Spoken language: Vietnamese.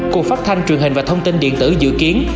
cục phát thanh truyền hình và thông tin điện tử dự kiến